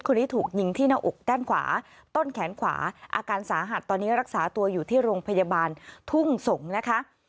คนนี้ถูกยิงที่หน้าอกด้านขวาต้นแขนขวาอาการสาหัสตอนนี้รักษาตัวอยู่ที่โรงพยาบาลทุ่งสงศ์นะคะ